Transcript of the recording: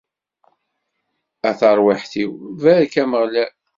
A tarwiḥt-iw, barek Ameɣlal!